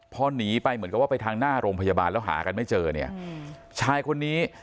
พอหนีไปเหมือนกับว่าไปทางหน้าโรงพยาบาลแล้วหากันไม่เจอเนี่ยชายคนนี้